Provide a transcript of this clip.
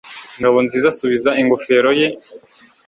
Ngabonziza asubiza ingofero ye.